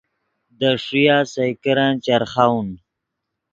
دے ݰویہ سئے کرن چرخاؤن